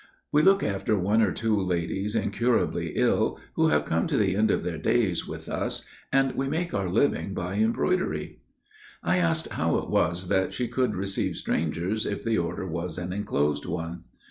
We look after one or two ladies incurably ill, who have come to end their days with us, and we make our living by embroidery.' "I asked how it was that she could receive strangers if the order was an enclosed one.